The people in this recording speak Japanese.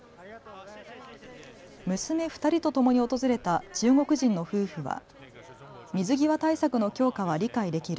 娘２人とともに訪れた中国人の夫婦は水際対策の強化は理解できる。